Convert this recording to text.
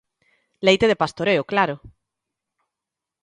Leite de Pastoreo, claro.